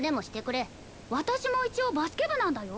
私も一応バスケ部なんだよ。